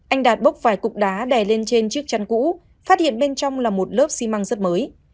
anh đạt bốc vài cục đá đè lên trên chiếc chăn cũ phát hiện bên trong là một lớp xi măng rất mới